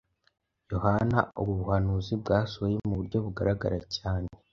YohanaUbu buhanuzi bwasohoye mu buryo bugaragara cyane